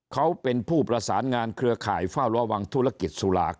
เขาเป็นผู้ประสานงานเครือข่ายเฝ้าระวังธุรกิจสุรา